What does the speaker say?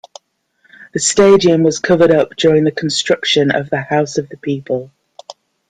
The stadium was covered up during the construction of the House of the People.